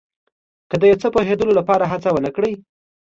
که د یو څه پوهېدلو لپاره هڅه ونه کړئ.